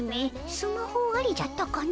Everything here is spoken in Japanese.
スマホありじゃったかの？